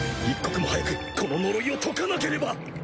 一刻も早くこの呪いを解かなければ！